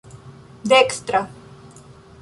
dekstra